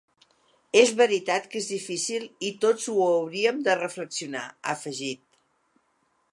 És veritat que és difícil, i tots ho hauríem de reflexionar, ha afegit.